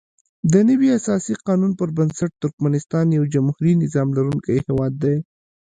دنوي اساسي قانون پر بنسټ ترکمنستان یو جمهوري نظام لرونکی هیواد دی.